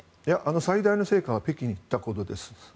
最大の成果は北京に行ったことです。